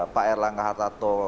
pak erlangga hartato